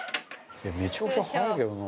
「でもめちゃくちゃ早いけどな」